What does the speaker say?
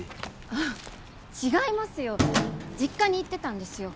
あっ違いますよ実家に行ってたんですよ